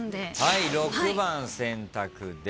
はい６番選択です。